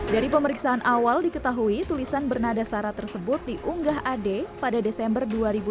dari pemeriksaan awal diketahui tulisan bernada sarah tersebut diunggah ade pada desember dua ribu dua puluh